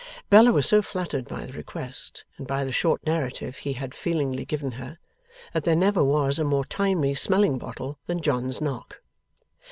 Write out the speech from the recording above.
Bella was so fluttered by the request, and by the short narrative he had feelingly given her, that there never was a more timely smelling bottle than John's knock.